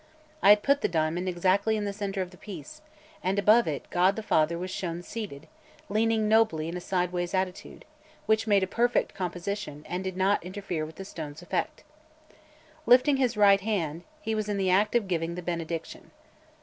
I had put the diamond exactly in the center of the piece; and above it God the Father was shown seated, leaning nobly in a sideways attitude, which made a perfect composition, and did not interfere with the stone's effect. Lifting his right hand, he was in the act of giving the benediction.